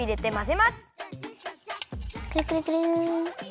くるくるくる。